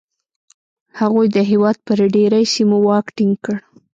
هغوی د هېواد پر ډېری سیمو واک ټینګ کړ